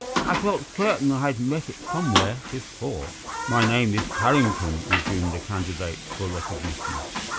I felt certain that I had met it somewhere before." "My name is Tarrington," resumed the candidate for recognition.